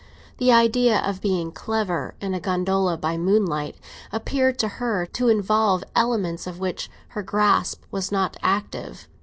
The idea of being "clever" in a gondola by moonlight appeared to her to involve elements of which her grasp was not active.